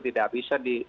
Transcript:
tidak bisa di